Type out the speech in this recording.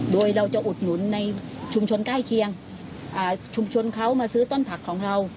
โดยเราจะอุดหนุนในชุมชนใกล้เคียงชุมชนเขามาซื้อต้นผักของเรา